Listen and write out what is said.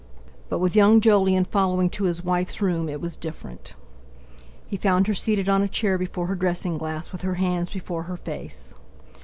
But with young Jolyon following to his wife's room it was different. He found her seated on a chair before her dressing glass, with her hands before her face.